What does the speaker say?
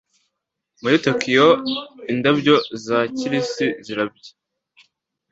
muri tokiyo, indabyo za kirisi zirabya.